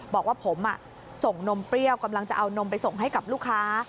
บอกว่าผมส่งนมเปรี้ยวกำลังจะเอานมไปส่งให้กับลูกค้า